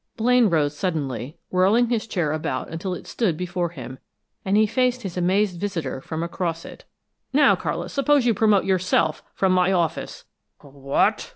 Blaine rose suddenly, whirling his chair about until it stood before him, and he faced his amazed visitor from across it. "Now, Carlis, suppose you promote yourself from my office!" "Wh what!"